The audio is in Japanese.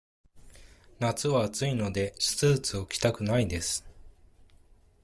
夏は暑いので、スーツを着たくないです。